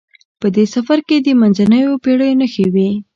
په دې سفر کې د منځنیو پیړیو نښې وې.